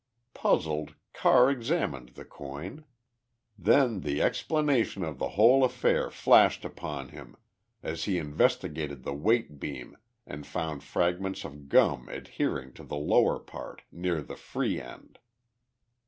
Puzzled, Carr examined the coin. Then the explanation of the whole affair flashed upon him as he investigated the weight beam and found fragments of gum adhering to the lower part, near the free end.